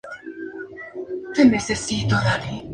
Dirección y concepto: Karen Bernedo.